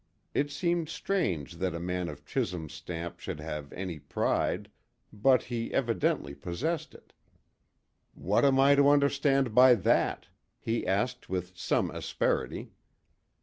It seemed strange that a man of Chisholm's stamp should have any pride, but he evidently possessed it. "What am I to understand by that?" he asked with some asperity.